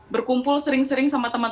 buat orang yang benar benar